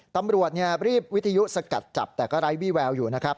ตำรวจรีบวิทยุสกัดจับแต่ก็ไร้วี่แววอยู่นะครับ